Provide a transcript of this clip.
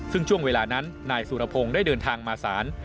ซึ่งช่วงเวลานั้นนายสุรพงศ์ได้เดินทางมาศาล